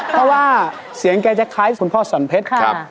เพราะว่าเสียงแกจะคล้ายคุณพ่อสันเพชรครับ